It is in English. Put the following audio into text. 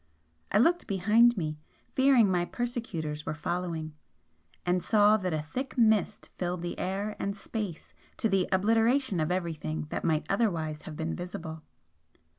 I looked behind me, fearing my persecutors were following, and saw that a thick mist filled the air and space to the obliteration of everything that might otherwise have been visible.